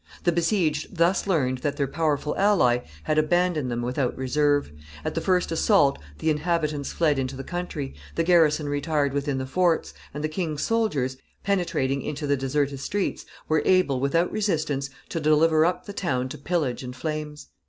The besieged thus learned that their powerful ally had abandoned them without reserve; at the first assault the inhabitants fled into the country, the garrison retired within the forts, and the king's soldiers, penetrating into the deserted streets, were able, without resistance, to deliver up the town to pillage and flames.